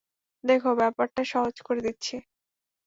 দেখো, ব্যাপারটা সহজ করে দিচ্ছি।